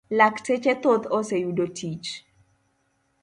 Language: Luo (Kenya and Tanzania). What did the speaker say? lakteche thoth oseyudo tich.